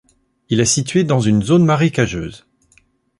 Il est situé dans une zone marécageuse.